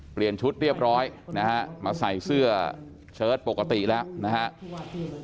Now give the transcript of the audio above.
เปลี่ยนชุดเรียบร้อยมาใส่เสื้อเชิ้ตปกติแล้ว